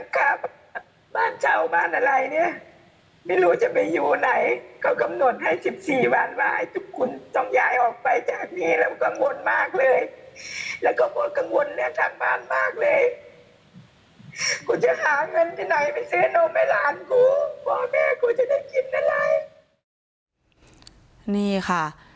ค่ะนี่ค่ะ